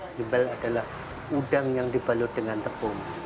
jembel adalah udang yang dibalut dengan tepung